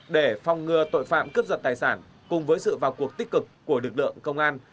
để phòng ngừa tội phạm cướp giật tài sản cùng với sự vào cuộc tích cực của lực lượng công an